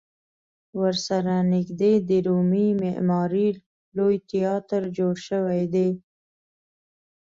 ورسره نږدې د رومي معمارۍ لوی تیاتر جوړ شوی دی.